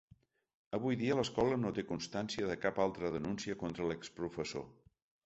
Avui dia l’escola no té constància de cap altra denúncia contra l’exprofessor.